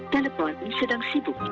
telepon sedang sibuk